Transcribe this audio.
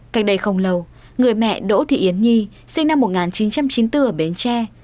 cách đây không lâu người mẹ đỗ thị yến nhi sinh năm một nghìn chín trăm chín mươi bốn ở bến tre